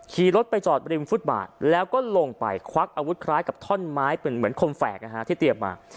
ขี่รถไปจอดริมฟุตบาทแล้วก็ลงไปควักอาวุธคล้ายกับท่อนไม้เป็นเหมือนคมแฝกนะฮะที่เตรียมมา